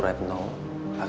terima kasih pak